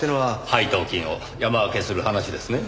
配当金を山分けする話ですね。